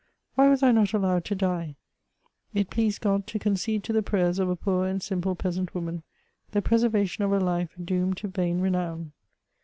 Why was I not allowed to die? It pleased God to concede to the prayers of a poor and simple peasant woman, the preservation of a life doomed to vain renown.